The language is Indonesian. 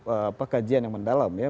apa kajian yang mendalam ya